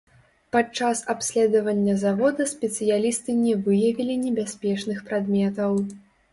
Падчас абследавання завода спецыялісты не выявілі небяспечных прадметаў.